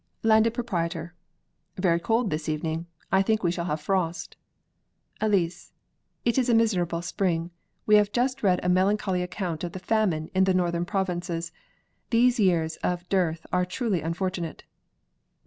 Landed Proprietor Very cold this evening; I think we shall have frost. Elise It is a miserable spring; we have just read a melancholy account of the famine in the northern provinces; these years of dearth are truly unfortunate.